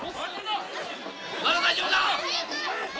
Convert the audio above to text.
まだ大丈夫だ！早く！